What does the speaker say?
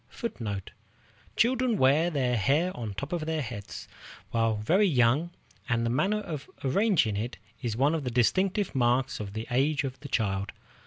Children wear their hair on top of their heads while very young, and the manner of arranging it is one of the distinctive marks of the age of the child.